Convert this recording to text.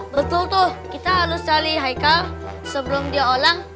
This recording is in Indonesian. betul tuh kita harus cari heikal sebelum dia olang